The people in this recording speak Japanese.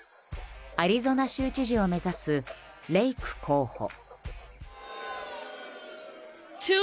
アリゾナ州知事を目指すレイク候補。